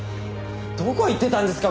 どこ行ってたんですか？